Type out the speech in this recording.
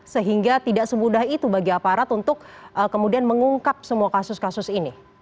sehingga tidak semudah itu bagi aparat untuk kemudian mengungkap semua kasus kasus ini